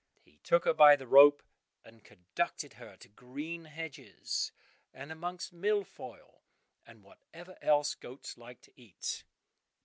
He took her by the rope and conducted her to green hedges, and amongst milfoil, and whatever else goats like to eat.